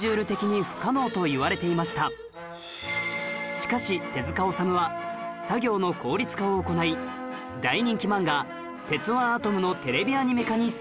しかし手治虫は作業の効率化を行い大人気漫画『鉄腕アトム』のテレビアニメ化に成功